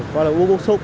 quá là u bốc xúc